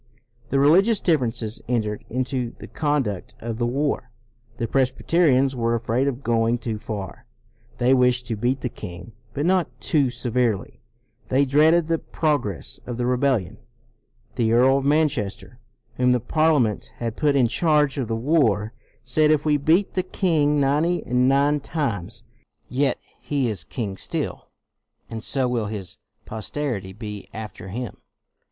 The religious differences entered into the conduct of the war. The Presbyterians were afraid of going too far. They wished to beat the king, but not too severely. CROMWELL 247 They dreaded the progress of the rebel lion. The Earl of Manchester, whom the Parliament had put in charge of the war, said, " If we beat the king ninety and nine times, yet he is king still, and so will his posterity be after him."